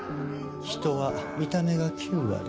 人は見た目が９割。